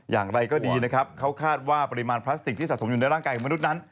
อย่างไรก็ดีนะครับเขาคาดว่าปริมาณพลาสติกที่สะสมอยู่ในร่างกายของมนุษย์นั้น